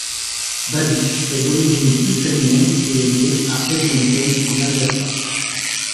Babych est d'origine ukrainienne et est né à Edmonton en Alberta.